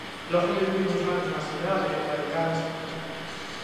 Logo de vivir uns anos na cidade, radicarase en Madrid.